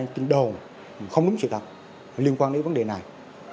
tình đồn không đúng sự thật liên quan đến vấn đề này